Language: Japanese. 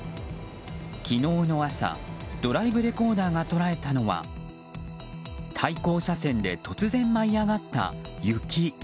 昨日の朝ドライブレコーダーが捉えたのは対向車線で突然舞い上がった雪。